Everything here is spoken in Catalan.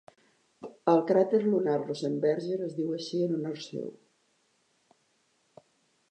El cràter lunar Rosenberger es diu així en honor seu.